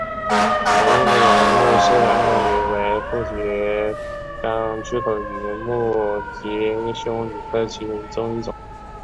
南印度洋穆氏暗光鱼为辐鳍鱼纲巨口鱼目褶胸鱼科的其中一种。